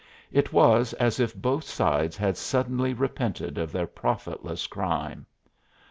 It was as if both sides had suddenly repented of their profitless crime.